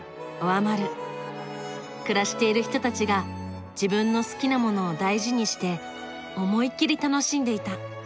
暮らしている人たちが自分の好きなものを大事にして思い切り楽しんでいた。